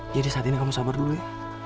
jadi saat ini kamu sabar dulu ya